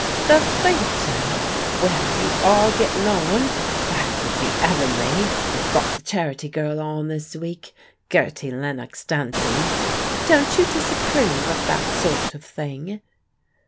"The theatre! Well, you are gettin' on! That would be 'eavenly. They've got the 'Charity Girl' on this week Gertie Lennox dancing. But don't you disapprove of that sort of thing?"